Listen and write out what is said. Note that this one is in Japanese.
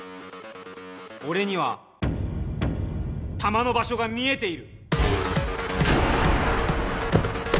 俺には弾の場所が見えている。